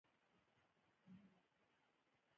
د پښتو په ژبه یې خبرې کولې.